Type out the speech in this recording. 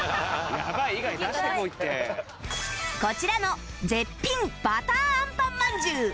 こちらの絶品ばたーあんパンまんじゅう